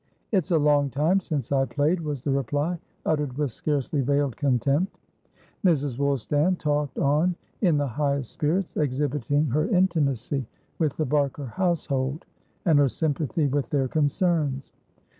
"It's a long time since I played," was the reply, uttered with scarcely veiled contempt. Mrs. Woolstan talked on in the highest spirits, exhibiting her intimacy with the Barker household, and her sympathy with their concerns.